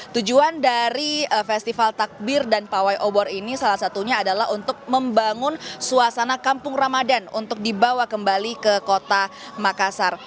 tujuan dari festival takbir dan pawai obor ini salah satunya adalah untuk membangun suasana kampung ramadan untuk dibawa kembali ke kota makassar